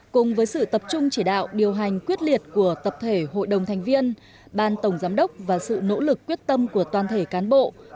cùng với sự tập trung chỉ đạo điều hành quyết liệt của tập thể hội đồng thành viên ban tổng giám đốc và sự nỗ lực quyết tâm của toàn thể cán bộ